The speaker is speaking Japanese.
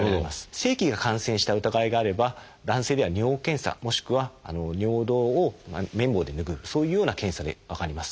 性器が感染した疑いがあれば男性では尿検査もしくは尿道を綿棒で拭うそういうような検査で分かります。